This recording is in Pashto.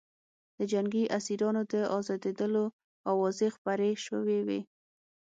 د جنګي اسیرانو د ازادېدلو اوازې خپرې شوې وې